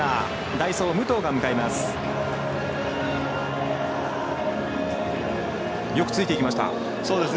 代走、武藤が向かいます。